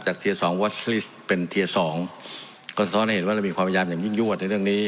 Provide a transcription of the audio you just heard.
เทียร์สองวอสลิสเป็นเทียร์สองก็สะท้อนให้เห็นว่าเรามีความพยายามอย่างยิ่งยวดในเรื่องนี้